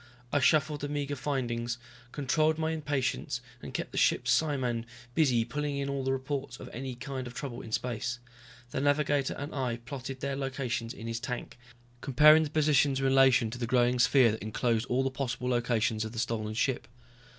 I shuffled the meager findings, controlled my impatience, and kept the ship's psiman busy pulling in all the reports of any kind of trouble in space. The navigator and I plotted their locations in his tank, comparing the positions in relation to the growing sphere that enclosed all the possible locations of the stolen ship.